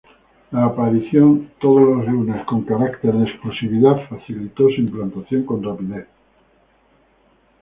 La aparición todos los lunes con carácter de exclusividad facilitó su implantación con rapidez.